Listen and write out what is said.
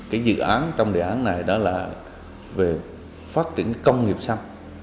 cái dự án trong đề án này đó là về phát triển công nghiệp xanh